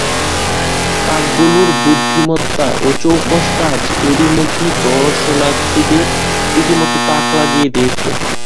কাকগুলোর বুদ্ধিমত্তা ও চৌকস কাজ এরই মধ্যে দর্শনার্থীদের রীতিমতো তাক লাগিয়ে দিয়েছে।